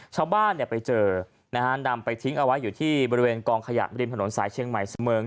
ชาวบ้านไปเจอนะฮะนำไปทิ้งเอาไว้อยู่ที่บริเวณกองขยะริมถนนสายเชียงใหม่เสมิง